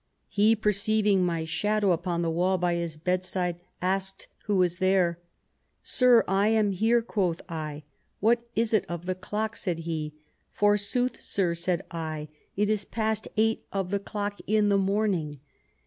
" He perceiving my shadow upon the wall by his bedside asked who was thera *Sir, I am here,' quoth L * What is it of the clock?' said ha * Forsooth, sir/ said I, 'it is past eight of the clock in the morning.'